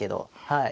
はい。